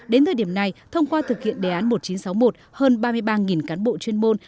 đến thời điểm này thông qua thực hiện đề án một nghìn chín trăm sáu mươi một hơn ba mươi ba cán bộ chuyên môn